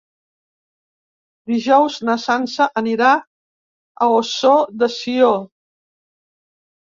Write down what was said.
Dijous na Sança anirà a Ossó de Sió.